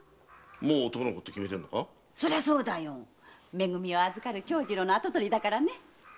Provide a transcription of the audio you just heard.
め組を預かる長次郎の跡取りだからね。